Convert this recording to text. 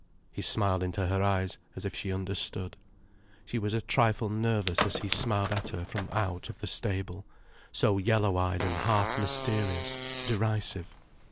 He smiled into her eyes as if she understood. She was a trifle nervous as he smiled at her from out of the stable, so yellow eyed and half mysterious, derisive.